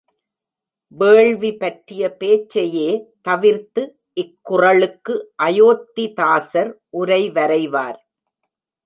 வேள்வி பற்றிய பேச்சையே தவிர்த்து இக்குறளுக்கு அயோத்திதாசர் உரைவரைவார்.